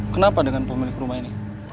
kenapa dengan pemilik rumah ini